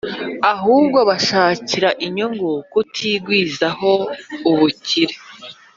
ahubwo bashakira inyungu kutigwizaho ubukire